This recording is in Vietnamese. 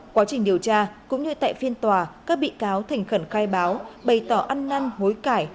quá trình điều tra cũng như tại phiên tòa các bị cáo thành khẩn khai báo bày tỏ ăn năn hối cải